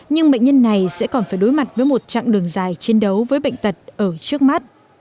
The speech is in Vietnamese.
nhưng bệnh nhân này sẽ còn phải đối mặt với một chặng đường dài chiến đấu với bệnh tật ở trước mắt